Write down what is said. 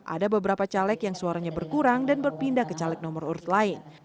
ada beberapa caleg yang suaranya berkurang dan berpindah ke caleg nomor urut lain